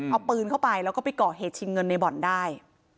เอาปืนเข้าไปแล้วก็ไปก่อเหตุชิงเงินในบ่อนได้